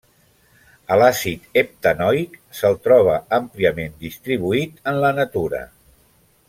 A l'àcid heptanoic se'l troba àmpliament distribuït en la natura.